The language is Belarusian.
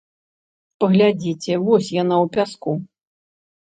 Паглядзіце, вось яна ў пяску!